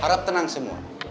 harap tenang semua